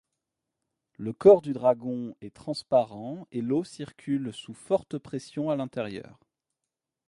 Le corps du dragon est transparent et l'eau circule sous forte pression à l'intérieur.